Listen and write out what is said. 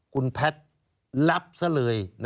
คุณแพทย์รับซะเลย